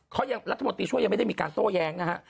รัฐบาลตีชั่วยังไม่ได้มีการโต้แย้งนะฮะ